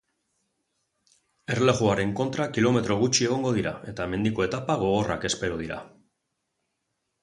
Erlojuaren kontra kilometro gutxi egongo dira eta mendiko etapa gogorrak espero dira.